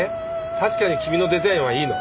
確かに君のデザインはいいの。